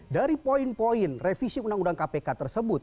dari poin poin revisi undang undang kpk tersebut